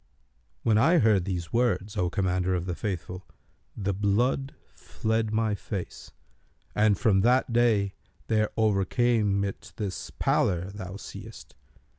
When I heard these words, O Commander of the Faithful, the blood fled my face, and from that day there overcame it this pallor thou seest.